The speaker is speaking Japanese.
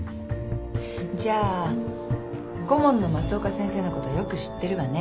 じゃあ顧問の増岡先生のことはよく知ってるわね？